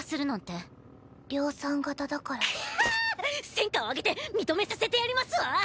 戦果を上げて認めさせてやりますわ！